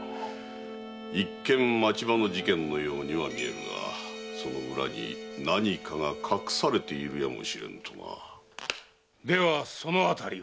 一見町場の事件のようには見えるが「その裏に何かが隠されているやもしれぬ」とな。ではその辺りを。